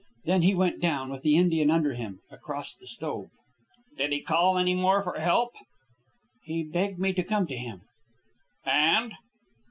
Then he went down, with the Indian under him, across the stove." "Did he call any more for help?" "He begged me to come to him." "And?"